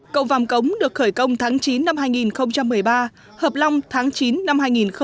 cầu vàm cống được khởi công tháng chín năm hai nghìn một mươi ba hợp long tháng chín năm hai nghìn một mươi bảy